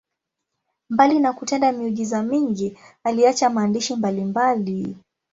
Mbali na kutenda miujiza mingi, aliacha maandishi mbalimbali.